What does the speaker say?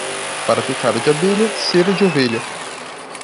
Para picada de abelha, cera de ovelha.